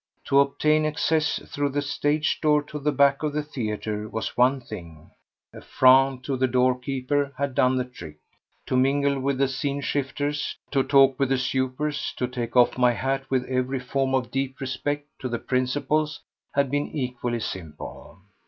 To obtain access through the stage door to the back of the theatre was one thing—a franc to the doorkeeper had done the trick—to mingle with the scene shifters, to talk with the supers, to take off my hat with every form of deep respect to the principals had been equally simple.